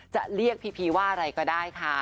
จะเรียกพีพีว่าอะไรก็ได้ค่ะ